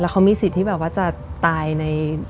เขามีสิทธิ์ที่จะตายใน